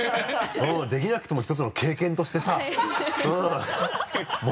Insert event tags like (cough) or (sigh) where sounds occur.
できなくても１つの経験としてさはい (laughs)